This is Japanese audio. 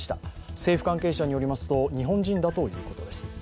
政府関係者によりますと、日本人だということです。